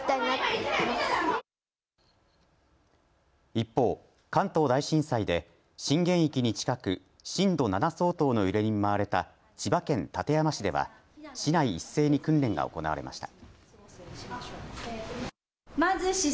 一方、関東大震災で震源域に近く震度７相当の揺れに見舞われた千葉県館山市では市内一斉に訓練が行われました。